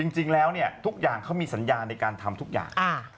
จริงแล้วทุกอย่างเขามีสัญญาในการทำทุกอย่าง